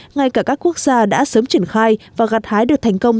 ngay cả các quốc gia đã sớm triển khai và gạt hái được thành công